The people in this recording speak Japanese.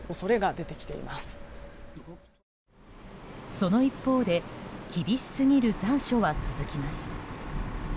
その一方で厳しすぎる残暑は続きます。